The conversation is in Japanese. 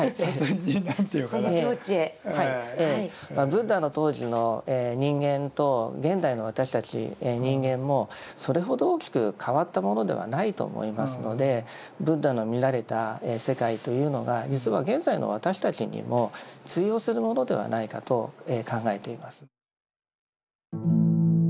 ブッダの当時の人間と現代の私たち人間もそれほど大きく変わったものではないと思いますのでブッダの見られた世界というのが実は現在の私たちにも通用するものではないかと考えています。